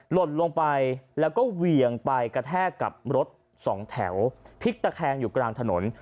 หล่นลงไปแล้วก็เวียงไปกระแทกกับรถสองแถวพลิกตะแคงอยู่กลางถนน